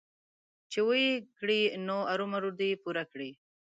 چې ويې کړي نو ارومرو دې يې پوره کړي.